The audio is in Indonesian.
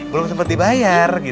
belum sempat dibayar